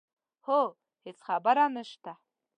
هو هېڅ خبره نه شته.